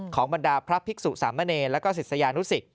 ของบรรดาพระภิกษุสามเมณีแล้วก็ศิษยานุศิษย์